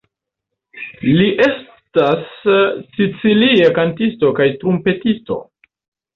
Li estas sicilia kantisto kaj trumpetisto.